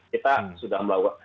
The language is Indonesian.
kita sudah melakukan